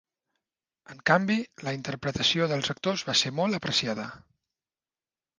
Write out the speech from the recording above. En canvi, la interpretació dels actors va ser molt apreciada.